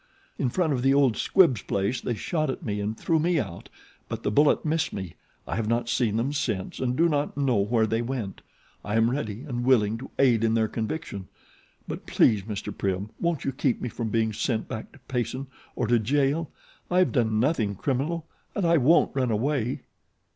"In front of the old Squibbs place they shot at me and threw me out; but the bullet missed me. I have not seen them since and do not know where they went. I am ready and willing to aid in their conviction; but, please Mr. Prim, won't you keep me from being sent back to Payson or to jail. I have done nothing criminal and I won't run away."